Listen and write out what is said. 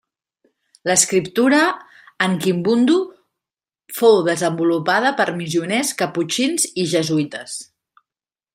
L'escriptura en kimbundu fou desenvolupada per missioners caputxins i jesuïtes.